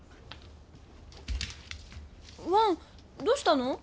どうしたの？